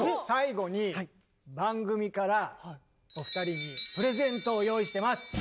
最後に番組からお二人にプレゼントを用意してます！